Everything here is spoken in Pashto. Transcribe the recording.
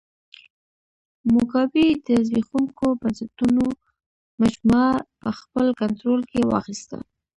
موګابي د زبېښونکو بنسټونو مجموعه په خپل کنټرول کې واخیسته.